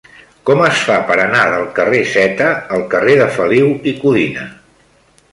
Com es fa per anar del carrer Zeta al carrer de Feliu i Codina?